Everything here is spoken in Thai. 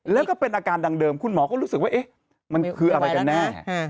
แล้วก็เป็นอาการดังเดิมคุณหมอก็รู้สึกว่ามันคืออะไรกันแน่